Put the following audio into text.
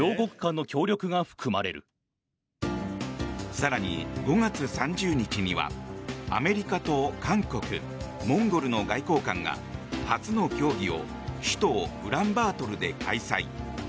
更に、５月３０日にはアメリカと韓国モンゴルの外交官が初の協議を首都ウランバートルで開催。